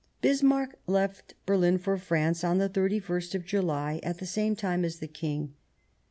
Bismarck left Berlin for France on the 31st of July, at the same time as the King.